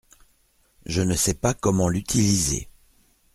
Je ne sais pas comment l’utiliser.